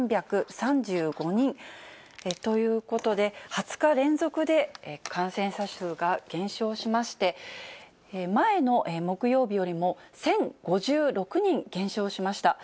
２３３５人ということで、２０日連続で感染者数が減少しまして、前の木曜日よりも１０５６人減少しました。